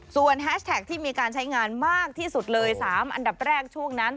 ส่วนแฮชแท็กที่มีการใช้งานมากที่สุดเลย๓อันดับแรกช่วงนั้น